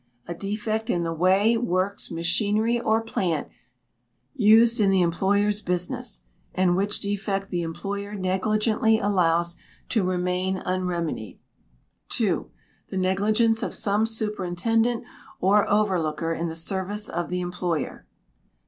A defect in the way, works, machinery, or plant used in the employer's business, and which defect the employer negligently allows to remain unremedied. ii. The negligence of some superintendent or overlooker in the service of the employer.